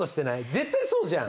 絶対そうじゃん。